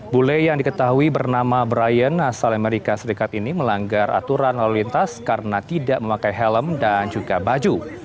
bule yang diketahui bernama brian asal amerika serikat ini melanggar aturan lalu lintas karena tidak memakai helm dan juga baju